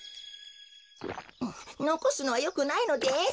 のこすのはよくないのです。